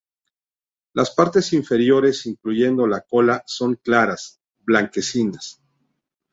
Las partes inferiores, incluyendo la cola, son claras, blanquecinas.